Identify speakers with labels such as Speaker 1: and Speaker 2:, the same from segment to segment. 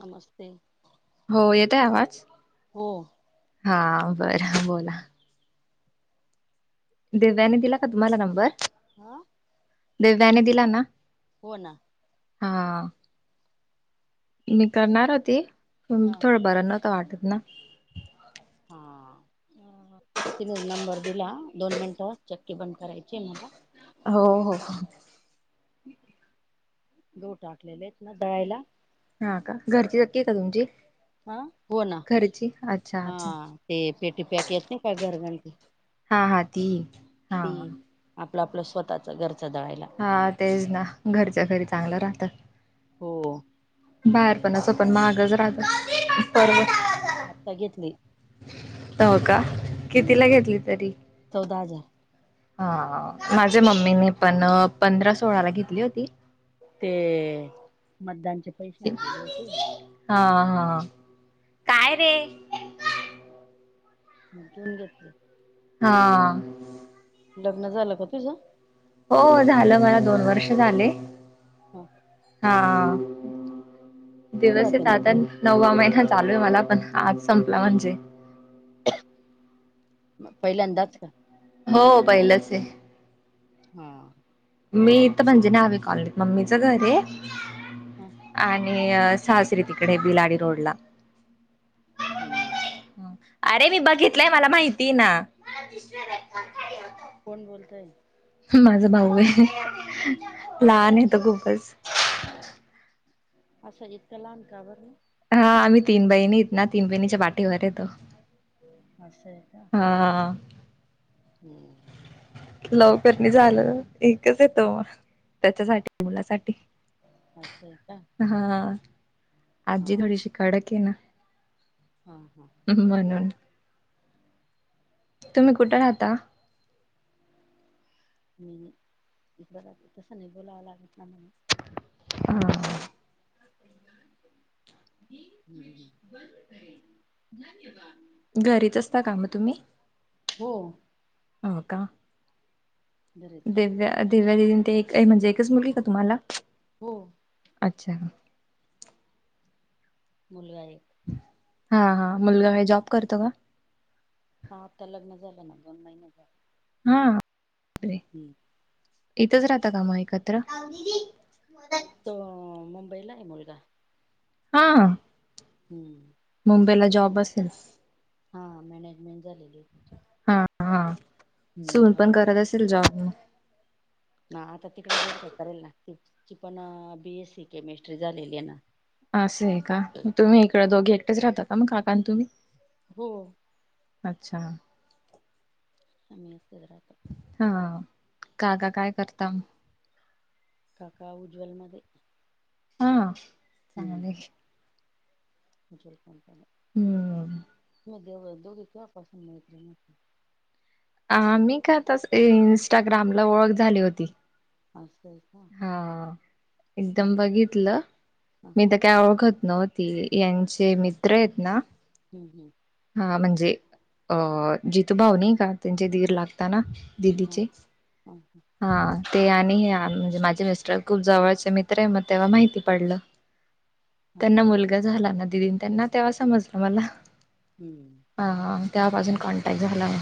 Speaker 1: नमस्ते
Speaker 2: हो येतय आवाज
Speaker 1: हो
Speaker 2: हा बरं बोला दिव्याने दिला का तुम्हांला नंबर
Speaker 1: हा
Speaker 2: दिव्याने दिला ना
Speaker 1: हो ना
Speaker 2: हा मी करणार होती
Speaker 1: हा
Speaker 2: थोडं बरं नव्हतं वाटत ना
Speaker 1: हां तिने नंबर दिला दोन मिनिटं चक्की बंद करायचीआहे मला
Speaker 2: हो हो.
Speaker 1: गहू टाकलेलेत ना दळायला
Speaker 2: हा का घरची चक्की आहे का तुमची
Speaker 1: हा हो ना
Speaker 2: घरची अच्छा
Speaker 1: हा
Speaker 2: अच्छा
Speaker 1: ते पेटी प्याक येती काय घर घंटी
Speaker 2: हा हा ती हा
Speaker 1: आपलं आपलं स्वतःच घरचं दळायला.
Speaker 2: हा तेच ना घरच्या घरी चांगलं राहतं.
Speaker 1: हो.
Speaker 2: बाहेरपण असं पण महागच राहतं सर्व
Speaker 1: आत्ता घेतली
Speaker 2: हो का कितीला
Speaker 1: हम्म
Speaker 2: घेतली तरी
Speaker 1: चौदा हजार.
Speaker 2: हा माझ्या मम्मीनी पण पंधरा सोळाला घेतली होती.
Speaker 1: ते मतदानचे पैसे आलेले होते.
Speaker 2: हा हा काय रे
Speaker 1: हं घेऊन घेतले.
Speaker 2: हा.
Speaker 1: लग्न झालं का तुझं?
Speaker 2: हो झालं मला दोन वर्ष झाले.
Speaker 1: हो का
Speaker 2: हा
Speaker 1: कुठे राहते
Speaker 2: दिवसहेत
Speaker 1: मग
Speaker 2: आताण नववा महिना चालू आहे मला पण आज संपला म्हणजे
Speaker 1: म पहिल्यांदाच का?
Speaker 2: हो पहिलचये.
Speaker 1: हा
Speaker 2: मी इथं म्हणजे न्हावे कॉलेज मम्मीचं घरये आणि आणि सासरी तिकडे बिलाडी रोडला
Speaker 1: हम्म
Speaker 2: म अरे मी बघितलंय मला माहितीये ना मला दिसलं नाय खाट खाली होत.
Speaker 1: कोण बोलतय.
Speaker 2: हो माझ भाऊ हाय लहानये तो खूपच
Speaker 1: असाण इतका लहान का बर मं
Speaker 2: हा आम्ही तीन बहिणीयेत ना तीन बहिणीच्या पाठीवरये तो.
Speaker 1: असय का.
Speaker 2: हा
Speaker 1: हम्म
Speaker 2: लवकर नय झालं एकच ये तो त्याच्यासाठी मुलासाठी
Speaker 1: असंय का
Speaker 2: हा
Speaker 1: हा
Speaker 2: आजी थोडीशी कडकये ना.
Speaker 1: हा हां
Speaker 2: म्हणून तुम्ही कुठ राहता.
Speaker 1: मी इद राहते तस नाय बोलावा लागत ना म्हणून
Speaker 2: हां
Speaker 1: [unintelligible]
Speaker 2: घरीच असता का म तुम्ही
Speaker 1: हो
Speaker 2: हो का.
Speaker 1: दरिद्र
Speaker 2: दिव्या दिव्या दिदी ते एक म्हणजे एकच मुलगी हाय का तुम्हाला
Speaker 1: हो.
Speaker 2: अच्छा
Speaker 1: मुलगा एक
Speaker 2: हा हा मुलगा हे जॉब करतो का
Speaker 1: हा आता लग्न झालं ना दोन महिने झा
Speaker 2: हा
Speaker 1: हम्म
Speaker 2: इथंच राहता का मग एकत्र
Speaker 1: तो मुंबईला आहे मुलगा
Speaker 2: हा
Speaker 1: हम्म
Speaker 2: मुंबईला जॉब असेल
Speaker 1: हा मॅनेजमेंट झालेली हो
Speaker 2: हा हा सून पण करत असेल जॉब
Speaker 1: ना आता तिकडे जाईल का करेल ना तिची पण बीएस सी केमिस्ट्री झालेली आहे ना
Speaker 2: असं आहे काग तुम्ही इकडे दोघे एकटेच राहताात का मग काकाण तुम्ही
Speaker 1: हो
Speaker 2: अच्छा
Speaker 1: सममीत गजरातत
Speaker 2: हा काका काय करता
Speaker 1: काका उज्ज्वलमध्ये
Speaker 2: हा चांगले
Speaker 1: ज पणपनी
Speaker 2: हम्म
Speaker 1: म देव दोघी कपासून माित
Speaker 2: आ मी का आताच इं्स्टाग्राम ला ओळख झाली होती
Speaker 1: असच का
Speaker 2: हा
Speaker 1: हा
Speaker 2: एकदम बघितलं
Speaker 1: हा
Speaker 2: मी तर काय ओळखत नव्हती यांचे मित्र आहेत ना
Speaker 1: हम् हम्
Speaker 2: हा म्हणजे अ जितू भाऊ नाही का त्यांचे धीर लागताना
Speaker 1: हा
Speaker 2: दिदीचे हा ते आणि हे माझे मिस्टर खूप जवळचे मित्र आहे मग तेव्हा माहिती पडलं त्यांना
Speaker 1: असं आहे
Speaker 2: मुलगा झाला ना दिदी त्यांना तेव्हा समजलं मला
Speaker 1: हम्म
Speaker 2: हा त्यापासून कॉन्टॅक्ट झाला म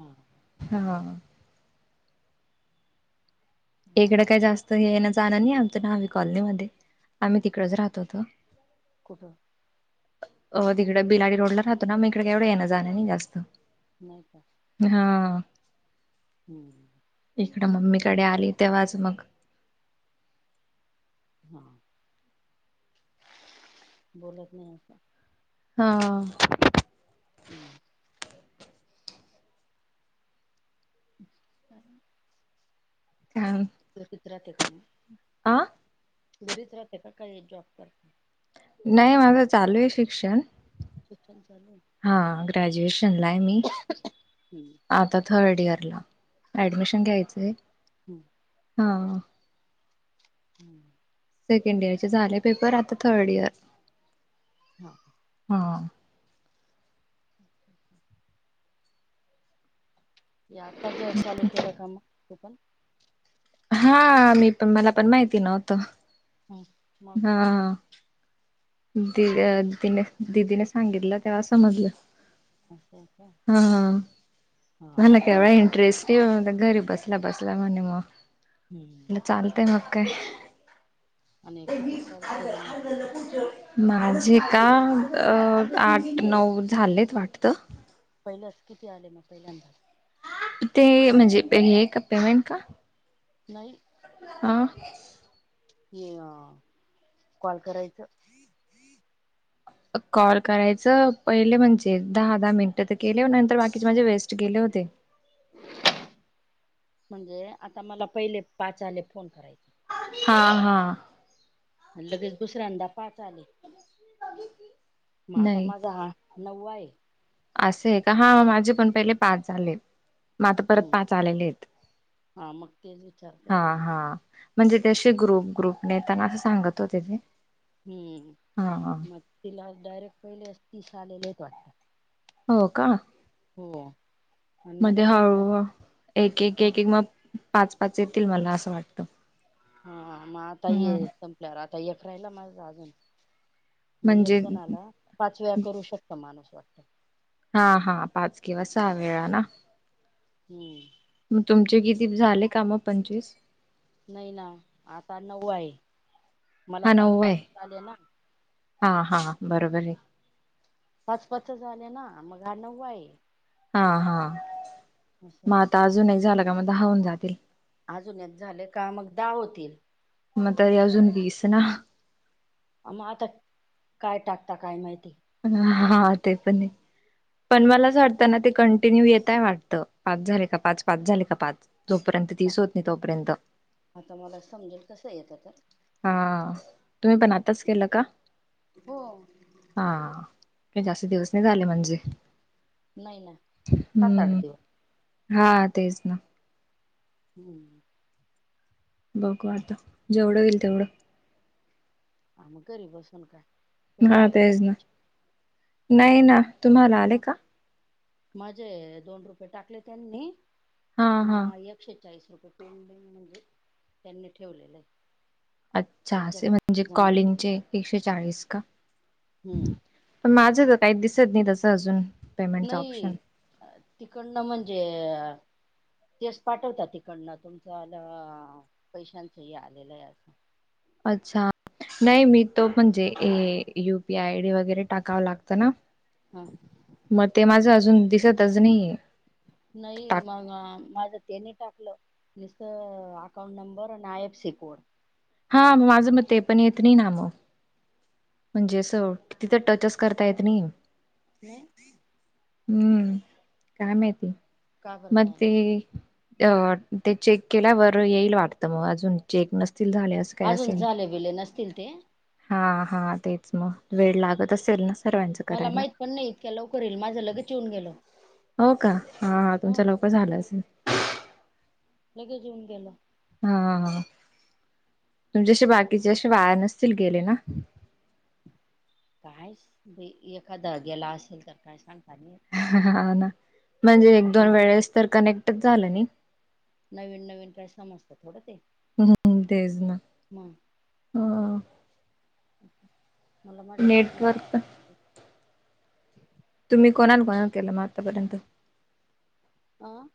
Speaker 1: हा
Speaker 2: हा
Speaker 1: हम्म.
Speaker 2: इकडं काय जास्त ये नां जाणार नाही आमत ना हवी कॉलनी मध्ये आम्ही तिकडेच राहत होतो
Speaker 1: कुठ
Speaker 2: अ तिकडे बिलाडी रोडला राहतो ना मग इकडे कावढं येणं जाण नाही जास्त
Speaker 1: नाही का
Speaker 2: हा
Speaker 1: हम्म
Speaker 2: इकडं मम्मीकडे आली तेव्हाच मग
Speaker 1: हा बोलत नाही असं
Speaker 2: हा
Speaker 1: हा हम्
Speaker 2: हा
Speaker 1: [unintelligible] राहते का म.
Speaker 2: आ.
Speaker 1: घरीच राहते का काही जॉब करते.
Speaker 2: नाही
Speaker 1: काम
Speaker 2: माझं चालू आहे शिक्षण.
Speaker 1: शिक्षण चालू आहे.
Speaker 2: हा ग्रॅज्युएशनला आहे मी.
Speaker 1: हम्म
Speaker 2: आता थर्ड इयरला ऍडमिशन घ्यायचंय.
Speaker 1: हम्म.
Speaker 2: हा.
Speaker 1: हम्म.
Speaker 2: सेकंड इयर चे झाले पेपर आता थर्ड इयर
Speaker 1: हा.
Speaker 2: हा.
Speaker 1: [unintelligible] याताव [unintelligible] चालू का मग तु पण.
Speaker 2: हा मी पण मला पण माहिती नव्हत.
Speaker 1: हम्म. मग
Speaker 2: हा दि
Speaker 1: पण
Speaker 2: दिले. दीदी ने सांगितलं तेव्हा समजलं.
Speaker 1: असं आहे का
Speaker 2: हा हा
Speaker 1: हा
Speaker 2: मला केवढा इंटरेस्ट ते घरी बसल्या बसल्या म्हणे
Speaker 1: हम्म
Speaker 2: मगलं चालतंय मग काय.
Speaker 1: आणि किती कॉल केले मग
Speaker 2: [unintelligible] माझे का अ आट नऊ झालेत वाटत.
Speaker 1: पहिल्यात किती आले मग पहिल्यांदा.
Speaker 2: ते म्हणजे हे क पेमेंट का.
Speaker 1: नाही.
Speaker 2: आ.
Speaker 1: हे अ कॉल करायचं.
Speaker 2: कॉल करायचं पईले म्हणजे दहा दहा मिनटं तर केलेव नंतर बाकीचे माझे वेस्ट गेले होते.
Speaker 1: म्हणजे आता मला पहिले पाच आले फोन कराय
Speaker 2: हा हा.
Speaker 1: लगेच दुसऱ्यांदा पाच आले म आता माझा हा नव्वाये.
Speaker 2: असेय का हा माझे पण पहीले पाच झाले. म आता परत
Speaker 1: हम्म
Speaker 2: पाच आलेले येत
Speaker 1: हा मग तेच विचारते
Speaker 2: हा
Speaker 1: मग
Speaker 2: हा. म्हणजे ते अशे ग्रुप ग्रुप ने येताना असं सांगत होते ते.
Speaker 1: हम्म
Speaker 2: हा हा
Speaker 1: मग तिला डायरेक्ट पहिले तीस आलेलेच वाटतात.
Speaker 2: हो का.
Speaker 1: हो. आणि
Speaker 2: म
Speaker 1: मला दोन वेळा
Speaker 2: हळू एक एक
Speaker 1: मला
Speaker 2: एक एक मग पाच पाच येतील मला असं वाटतं.
Speaker 1: हा मग आता
Speaker 2: हम्म
Speaker 1: ह संपल्यावर आता अफ रायला माझा अजून. मग एक
Speaker 2: म्हणजे
Speaker 1: जणला पाच वळा करू शकता माणूस वाटत.
Speaker 2: हा हा पाच किवा सा वेळा ना.
Speaker 1: हम्म.
Speaker 2: मग तुमचे किती झाले का मग पंच्चवीस.
Speaker 1: नई ना आता नऊववा ये मला
Speaker 2: हा
Speaker 1: पाच
Speaker 2: नऊ आहे
Speaker 1: पाच आले ना.
Speaker 2: हा हा बरोबर ये.
Speaker 1: पाच पाच झाले ना मग हा नववा आहे.
Speaker 2: हा हा म आता अजून एक झालं का मग दहा हुन जातील.
Speaker 1: अजून एक झालं का मग दाहा होतील.
Speaker 2: म तरी अजून वीस ना.
Speaker 1: आ म आता काय टाकता काय माहिती.
Speaker 2: ह हा ते पणय. पण मला असं वाटतना ते कंटिन्यू येतय वाटतं पाच झाले का पाच पाच झाले का पाच. जोपर्यंत दिस होत नाही तोपर्यंत.
Speaker 1: आता मला समजेल कसं येतं तर
Speaker 2: हा तुमी पण आताच केलं का.
Speaker 1: हो.
Speaker 2: हा काय जास्त दिवस नाई झाले मणजे.
Speaker 1: नाई नाई सात आट दिवस.
Speaker 2: हा तेच ना.
Speaker 1: हम्म.
Speaker 2: बघ वाटतं जेवढं होईल तेवढं.
Speaker 1: आ् घरी बसून काय. तुला
Speaker 2: हा
Speaker 1: आले का
Speaker 2: तेच ना
Speaker 1: पैसे
Speaker 2: नाही ना तुम्हाला आले का.
Speaker 1: म्हजे दोन रुपये टाकले त्यांनी
Speaker 2: हा
Speaker 1: म
Speaker 2: हा
Speaker 1: एक. एकशे चाळीस रुपये पेंडिंग म्हणजे त्यांनी ठेवलेलं आहे.
Speaker 2: अच्छा
Speaker 1: त्यांच्या
Speaker 2: असे म्हणजे
Speaker 1: जमा
Speaker 2: कॉलिंगचे एकशे चाळीस का?
Speaker 1: हम्म
Speaker 2: माझं तर काही दिसत नाही तसं अजून. पेमेंटचं
Speaker 1: नाही
Speaker 2: ऑप्शन
Speaker 1: तिकडनं म्हणजे. तेवस पाठवतात तिकडनं तुमचं आलं पैशांचंही आलेलं आहे असं.
Speaker 2: अच्छा. नाही मी तो म्हणजे युपीआय आयडी वगैरे टाकावं लागतं ना.
Speaker 1: हा.
Speaker 2: मग ते माझं अजून दिसतच नाही.
Speaker 1: नाही मग माझं त्यानी टाकलं. नसत अकाउंट नंबर आणि आय एफ सी कोड.
Speaker 2: हा माझं मग ते पण येत नाही ना मग. म्हणजे असं किती तर टच करता येत नाही.
Speaker 1: ह.
Speaker 2: हम्म काय माहती
Speaker 1: का बरं
Speaker 2: मग
Speaker 1: काय
Speaker 2: ते. अ ते चेक केल्यावरर येईल वाटतं मग अजून चेक नसतील झाल्या.
Speaker 1: अजून झाले वेले नसतील ते
Speaker 2: हा हा तेच मग वेळ लागत असेल ना सर्वांचं
Speaker 1: मला
Speaker 2: करायला
Speaker 1: माहीत पण नाही इतक्या लवकर ये माझं लगेच येऊन गेलो
Speaker 2: हो का हा तुमच्या लवकर झालं असेल
Speaker 1: लगेच येऊन गेल
Speaker 2: हा हा तुमच्याशी बाकीचे असे वाया नसतील गेले ना
Speaker 1: कायच एखादा गेला असेल तर काय सांगता नाही
Speaker 2: हा ना म्हणजे एक दोन
Speaker 1: आपण
Speaker 2: वेळेस तर कनेक्टच झालं नाही
Speaker 1: नवीन नवीन काय समजतात थोडं ते
Speaker 2: हम्म तेज ना.
Speaker 1: हम
Speaker 2: ह
Speaker 1: मला माजा कत नाही.
Speaker 2: नेटवर्क तुम्ही कोणा कोणाला केलं मग आतापर्यंत
Speaker 1: हं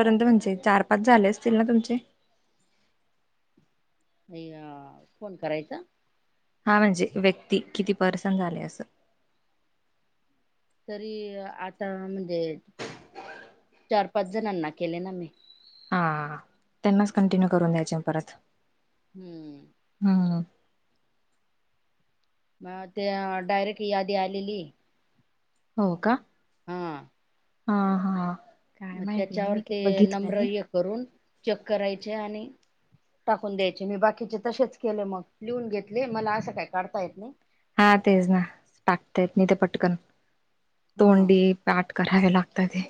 Speaker 1: काय
Speaker 2: म्हणजे चार पाच झाले असतील ना तुमचे
Speaker 1: नाही फोन करायचा
Speaker 2: हा म्हणजे व्यक्ती किती परर्सन झाले असं
Speaker 1: तरी आता म्हणजे चार पाच जणांना केले ना मी
Speaker 2: हा त्यांनाच कंटिन्यू करून द्यायचे परत
Speaker 1: हम्म
Speaker 2: हम
Speaker 1: मग ते डायरेक्ट यादी आलेली
Speaker 2: हो का
Speaker 1: हा
Speaker 2: हा हा काय
Speaker 1: मग
Speaker 2: माहिती नाही
Speaker 1: त्याच्यावर
Speaker 2: मी काय
Speaker 1: ते
Speaker 2: बघितलं नाही
Speaker 1: नम्रय करून चेक करायचे आणि टाकून द्यायचे मी बाकीचे तसेच केले मग लिहून घेतले मला असं काय काढता येत नाही
Speaker 2: हा तेच ना टाकताेत म ते पटकन
Speaker 1: हा
Speaker 2: तोंडी पाठ करावे लागतात ते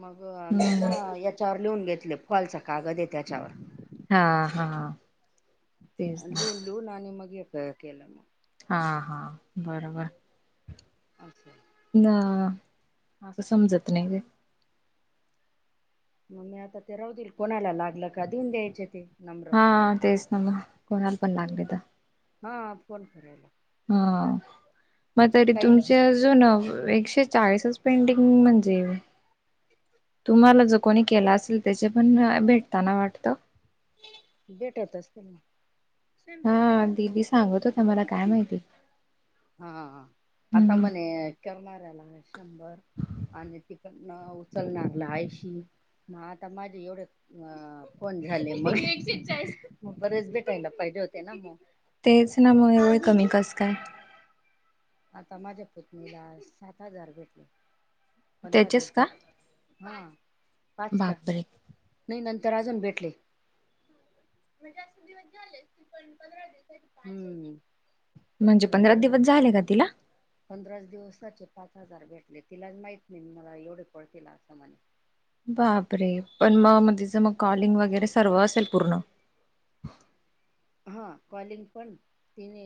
Speaker 1: मग मी ना
Speaker 2: हम्म
Speaker 1: याच्यावर लिहून घेतले फॉलच कागद आहे त्याच्यावर
Speaker 2: हा हा तेच ना
Speaker 1: लून लून आणि मग केलं मग
Speaker 2: हा हा बरोबर
Speaker 1: पाश आहे
Speaker 2: ना आ समजत नाही ते
Speaker 1: मग मी आता ते राह दे कोणाला लागलं का देऊन द्यायचे ते नम्र
Speaker 2: हा तेच ना म कोणाला पण लागले तर
Speaker 1: हा फोन करायला
Speaker 2: हा मग तरी
Speaker 1: काहीच
Speaker 2: तुमच्या अजूनून एकशे चाळीसच पेंटिंग म्हणजे तुम्हाला जो कोणी केला असेल त्याचे पण भेटताना वाटतं
Speaker 1: भेटत असते ना
Speaker 2: हा दिदी सांगत होता मला काय माहिती
Speaker 1: हा आता
Speaker 2: हम्म
Speaker 1: मणे करणाऱ्याला शंभर आणि तिक न उचलणारला आऐशी मग आता माझे एवढे अ कोण झाले मग बरेच भेटायला पाहिजे होते ना मग
Speaker 2: तेच ना मग एवढ कमी कस काय
Speaker 1: आता माझ्या पुत्नीला सात हजार भेटले पंधरा
Speaker 2: त्याचेच का
Speaker 1: दिवसात हा पाच का
Speaker 2: बापरे
Speaker 1: नाही नंतर अजून भेटले म्हणजे अस दिवस झाले क पण पंधरा दिवस आहे पा
Speaker 2: म्हणजे पंधरा दिवस झाले का तिला
Speaker 1: पंधराच दिवसाचे पाच हजार भेटले तिला माहित नाही मी मला एवढे पळतीलला असं म्हणे
Speaker 2: बापरे पण मगग तिचं मग कॉलिंग वगैरे सर्व असेल पूर्ण
Speaker 1: हा कॉलिंग पण तिने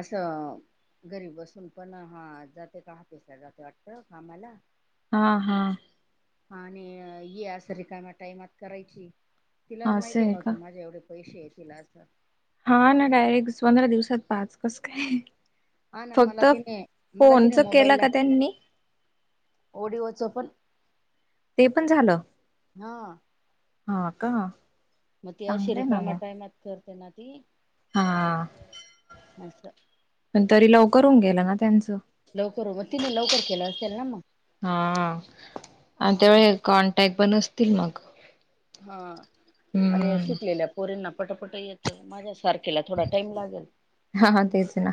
Speaker 1: असं घरी बसून पण हा जाते का हाफिस ला जाते वाटत कामाला
Speaker 2: हा हा
Speaker 1: हा आणि ये स र कायमा टाईमात करायची तिला
Speaker 2: असं
Speaker 1: माहिती
Speaker 2: आहे का
Speaker 1: नव्हतं माझे एवढे पैसे आहे तिला असं
Speaker 2: हा ना डायरेक्ट पंधरा दिवसात पाच कस काय
Speaker 1: हा ना मला
Speaker 2: फक्त
Speaker 1: तिने मला तिने
Speaker 2: फोनच केलं का त्यांनी
Speaker 1: ओडीओचं पण
Speaker 2: ते पण झालं
Speaker 1: हा
Speaker 2: हा का
Speaker 1: मग त
Speaker 2: चांगलंय ना
Speaker 1: शिरकामा
Speaker 2: मग
Speaker 1: टायमात करते ना ती
Speaker 2: हा
Speaker 1: असं
Speaker 2: प तरी लवकर होऊन गेलं ना त्यांचं
Speaker 1: लवकर मग तिने लवकर केलं असेल ना मग
Speaker 2: हा आणि
Speaker 1: आ
Speaker 2: त्यावेळे कॉन्टॅक्ट बनसतील मग
Speaker 1: हा आणि
Speaker 2: हम्म
Speaker 1: शिकलेल्या पोरींना पटपट येतं माझ्या सारख्या केला थोडा टाइम लागेल
Speaker 2: हा तेच ना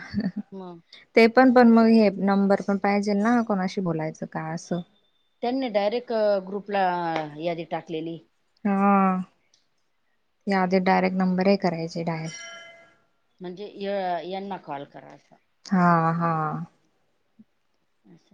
Speaker 1: ह
Speaker 2: ते पण पण मग हे नंबर पण पाहिजे ना कोणाशी बोलायचं का असं
Speaker 1: त्यांनी डायरेक्ट ग्रुपला यादी टाकलेली.
Speaker 2: हा याआधी डायरेक्ट नंबरही करायचे डायरेक्ट.
Speaker 1: म्हणजे यांना कॉल करा असं.
Speaker 2: हा हा.
Speaker 1: [inaudible]